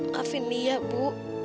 maafin liat bu